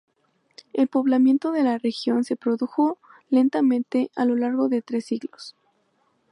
El Poblamiento de la región se produjo lentamente, a lo largo de tres siglos.